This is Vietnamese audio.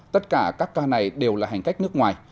tất cả các ca này đều là hành khách nước ngoài